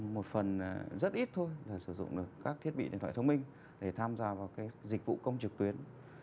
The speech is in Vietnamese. một phần rất ít thôi là sử dụng được các thiết bị điện thoại thông minh để tham gia vào dịch vụ công trực tuyến